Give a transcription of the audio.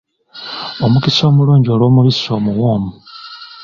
Omukisa omulungi olw’omubisi omuwoomu.